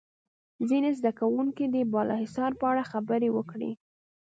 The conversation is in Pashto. ځینې زده کوونکي دې د بالا حصار په اړه خبرې وکړي.